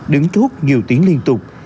đứng chốt nhiều tiếng liên tục